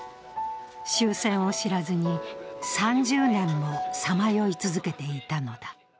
終戦を知らずに３０年もさまよい続けていたのだ。